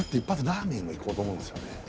ラーメンいこうと思うんすよね